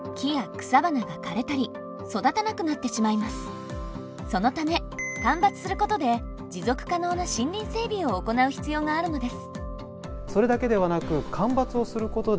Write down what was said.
実はそのため間伐することで持続可能な森林整備を行う必要があるのです。